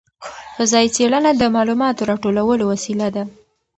فضايي څېړنه د معلوماتو راټولولو وسیله ده.